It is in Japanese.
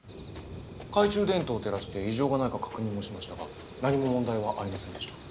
懐中電灯を照らして異常がないか確認もしましたが何も問題はありませんでした。